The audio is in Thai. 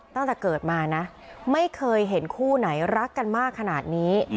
ตั้งแต่เกิดมานะไม่เคยเห็นคู่ไหนรักกันมากขนาดนี้